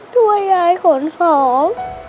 ช่วยยายขนของ